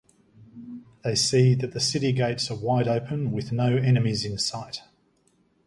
They see that the city gates are wide open with no enemies in sight.